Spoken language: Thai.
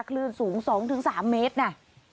คลื่นสูง๒๓เมตรนะ